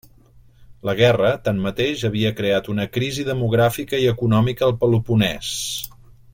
La guerra tanmateix havia creat una crisi demogràfica i econòmica al Peloponès.